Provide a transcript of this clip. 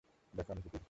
দেখ, আমি কী করি।